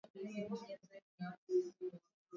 Wanyama ambao hawajawahi kuugua ugonjwa wa miguu na midomo